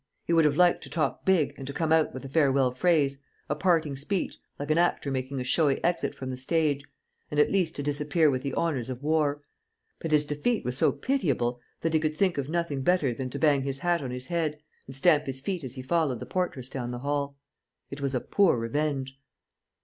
He would have liked to talk big and to come out with a farewell phrase, a parting speech, like an actor making a showy exit from the stage, and at least to disappear with the honours of war. But his defeat was so pitiable that he could think of nothing better than to bang his hat on his head and stamp his feet as he followed the portress down the hall. It was a poor revenge.